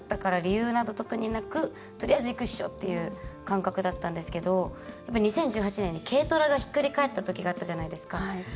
だから理由など特になくとりあえず行くっしょっていう感じなんですけど２０１７年に軽トラがひっくり返った事件があったじゃないですか。